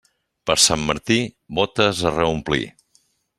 Per Sant Martí, bótes a reomplir.